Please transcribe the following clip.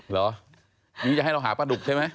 เหรอนี่จะให้เราหาปลาดุกใช่ไหม